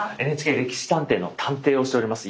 「歴史探偵」の探偵をしております